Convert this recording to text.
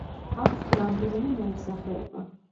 აქვთ რამდენიმე ნაირსახეობა.